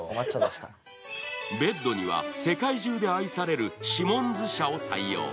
ベッドには世界中で愛されるシモンズ社を採用。